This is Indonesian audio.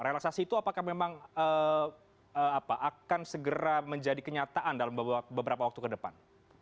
relaksasi itu apakah memang akan segera menjadi kenyataan dalam beberapa waktu ke depan